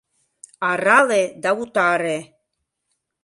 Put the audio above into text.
Арале да утаре